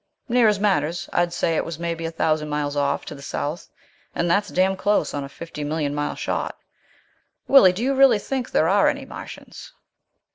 "Near as matters. I'd say it was maybe a thousand miles off, to the south. And that's damn close on a fifty million mile shot. Willie, do you really think there are any Martians?"